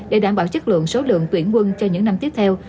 để đảm bảo chất lượng số lượng tuyển quân cho những năm tiếp theo